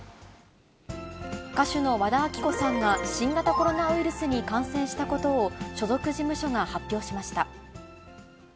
歌手の和田アキ子さんが、新型コロナウイルスに感染したことを、所属事務所が発表しました。